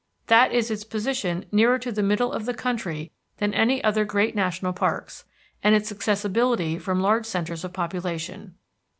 That is its position nearer to the middle of the country than other great national parks, and its accessibility from large centres of population.